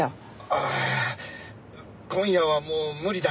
ああ今夜はもう無理だ。